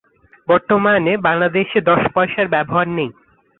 বর্তমানে বাংলাদেশে দশ পয়সার ব্যবহার নেই।